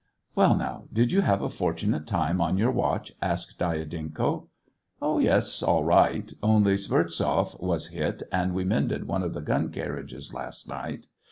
" Well, now, did you have a fortunate time on your watch }" asked Dyadenko. " Yes, all right ; only Skvortzoff was hit, and we mended one of the gun carriages last night.